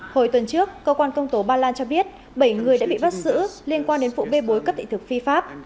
hồi tuần trước cơ quan công tố ba lan cho biết bảy người đã bị bắt giữ liên quan đến vụ bê bối cấp thị thực phi pháp